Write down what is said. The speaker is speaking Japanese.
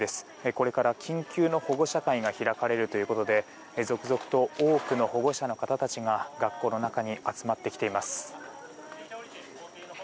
これから緊急の保護者会が開かれるということで続々と多くの保護者の方たちが学校の中に集まってきています。